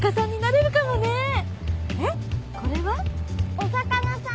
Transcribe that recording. お魚さん。